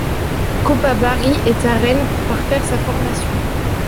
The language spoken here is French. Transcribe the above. Copa Barry est à Rennes pour parfaire sa formation.